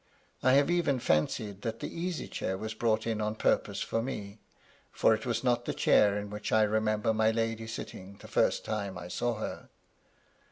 I have even fancied that the easy chair was brought in on purpose for me , for it was not the chair in which I remembered my lady sitting the first time I saw her.